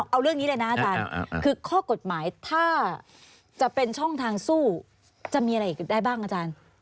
เอาเรื่องนี้เลยนะอาจารย์คือข้อกฎหมายถ้าจะเป็นช่องทางสู้จะมีอะไรอีกได้บ้างอาจารย์